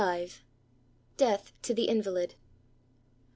104 DEATH TO THE INVALID.